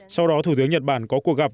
sau đó thủ tướng nhật bản có cuộc gặp